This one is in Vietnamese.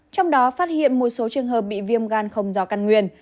trong đó phát hiện một số trường hợp bị viêm gan không do căn nguyên